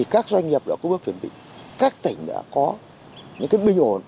hai mươi các doanh nghiệp đã cố gắng chuẩn bị các tỉnh đã có bình ổn